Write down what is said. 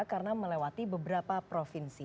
karena melewati beberapa provinsi